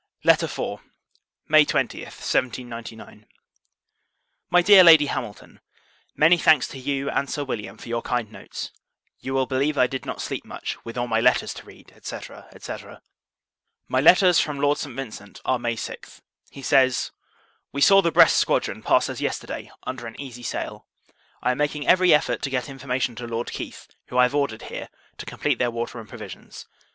LETTER IV. May 20, 1799. MY DEAR LADY HAMILTON, Many thanks to you and Sir William for your kind notes. You will believe I did not sleep much, with all my letters to read, &c. &c. My letters from Lord St. Vincent are May 6th. He says "We saw the Brest squadron pass us yesterday, under an easy sail. I am making every effort to get information to Lord Keith; who I have ordered here, to complete their water and provisions.